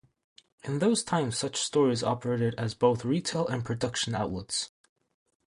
In those times such stores operated as both retail and production outlets.